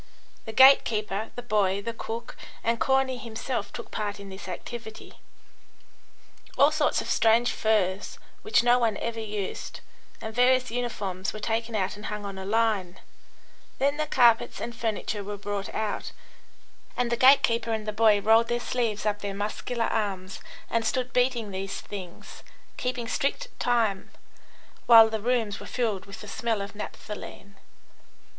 The gate keeper, the boy, the cook, and Corney himself took part in this activity. All sorts of strange furs, which no one ever used, and various uniforms were taken out and hung on a line, then the carpets and furniture were brought out, and the gate keeper and the boy rolled their sleeves up their muscular arms and stood beating these things, keeping strict time, while the rooms were filled with the smell of naphthaline.